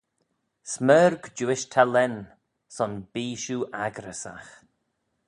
Smerg diuish ta lane: son bee shiu accryssagh.